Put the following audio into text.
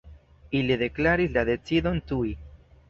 Ili deklaris la decidon tuj.